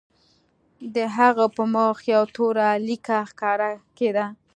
د هغه په مخ یوه توره لیکه ښکاره کېده